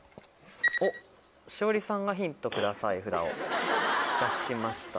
栞里さんが「ヒントください」札を出しました。